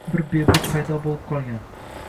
Bir beburd paydo boʻlib qolgan.